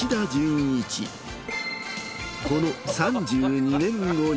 この３２年後に。